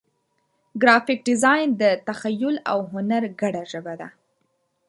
ګرافیک ډیزاین د تخیل او هنر ګډه ژبه ده.